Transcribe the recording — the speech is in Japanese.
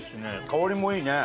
香りもいいね。